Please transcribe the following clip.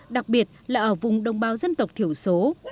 đặc biệt là ở vùng đồng bào dân tộc thiểu số